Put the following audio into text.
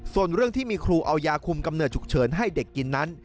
ส่วนเรื่องที่มีครูเอายาคุมกำเนิดฉุกเฉินให้เด็กกินนั้น